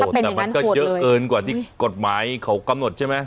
แต่มันก็เยอะเกินกว่าที่กฎหมายเขากำหนดใช่ไหม